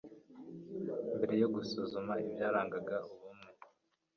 mbere yo gusuzuma ibyarangaga ubumwe